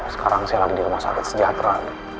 sekarang saya lagi di rumah sakit sejahtera